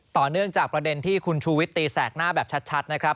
ต่อเนื่องจากประเด็นที่คุณชูวิตตีแสกหน้าแบบชัดนะครับ